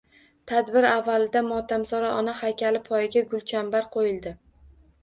Tadbir avvalida “Motamsaro ona” haykali poyiga gulchambarlar qo’yildi